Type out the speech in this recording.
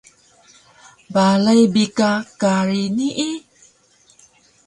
Balay bi ka kari nii